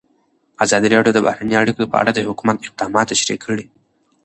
ازادي راډیو د بهرنۍ اړیکې په اړه د حکومت اقدامات تشریح کړي.